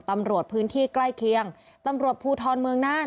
ตำรวจพื้นที่ใกล้เคียงตำรวจภูทรเมืองน่าน